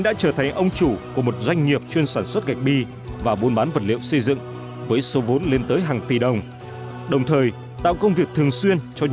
đã có thành tích xuất sắc tiêu biểu trong cái nàm ăn sản xuất